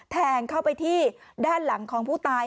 แทงเข้าไปที่ด้านหลังของผู้ตาย